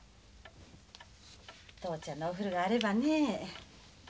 父ちゃんのお古があればね。